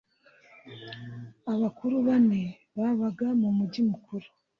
Abakuru bane babaga mumujyi mukuru.